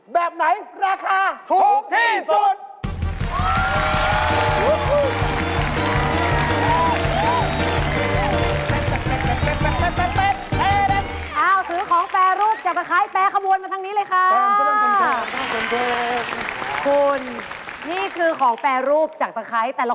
เพราะผมถูกกว่าอันนี้ถูกกว่าเอา